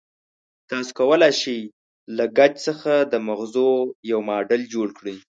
تاسې کولای شئ له ګچ څخه د مغزو یو ماډل جوړ کړئ.